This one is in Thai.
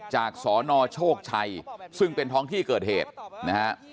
สนโชคชัยซึ่งเป็นท้องที่เกิดเหตุนะฮะ